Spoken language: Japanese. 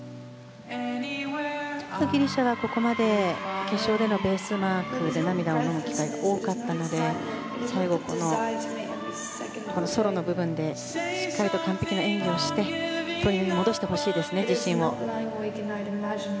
ギリシャはここまで決勝でのベースマークで涙をのむ機会が多かったので最後、このソロの部分でしっかりと完璧な演技をして取り戻してほしいです、自信を。